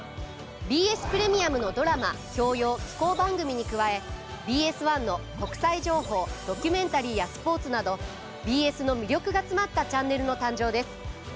ＢＳプレミアムのドラマ教養紀行番組に加えＢＳ１の国際情報ドキュメンタリーやスポーツなどＢＳの魅力が詰まったチャンネルの誕生です。